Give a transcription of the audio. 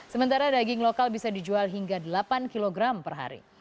sementara daging lokal bisa dijual hingga delapan kg per hari